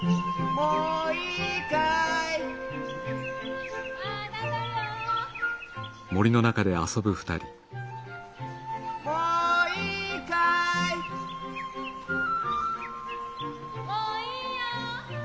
もういいよ！